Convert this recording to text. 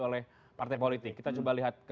oleh partai politik kita coba lihat